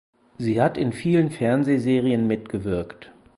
Sie hat in vielen Fernsehserien mitgewirkt.